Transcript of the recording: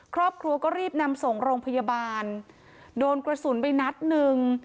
ครอบครัวก็รีบนำส่งโรงพยาบาลโดนกระสุนไปนัดหนึ่ง